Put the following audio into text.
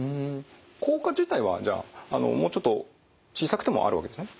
効果自体はじゃあもうちょっと小さくてもあるわけですね？